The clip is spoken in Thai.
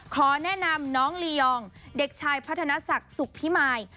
ขอแนะนำน้องลียองเด็กชายพัฒนศักดิ์สุขพิมาย